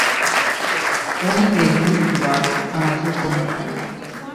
Un ingrés individual en el seu compte.